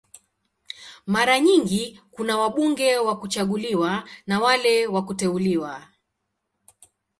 Mara nyingi kuna wabunge wa kuchaguliwa na wale wa kuteuliwa.